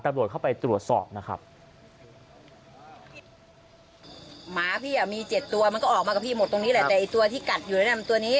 อายุเท่าไรครับสี่ปีประมาณ